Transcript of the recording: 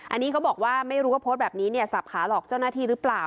อันนี้เขาบอกว่าไม่รู้ว่าโพสต์แบบนี้เนี่ยสับขาหลอกเจ้าหน้าที่หรือเปล่า